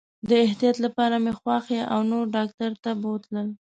د احتیاط لپاره مې خواښي او نور ډاکټر ته بوتلل.